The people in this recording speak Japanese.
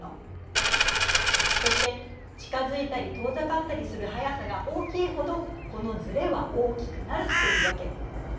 そして近づいたり遠ざかったりする速さが大きいほどこのずれは大きくなるというわけ。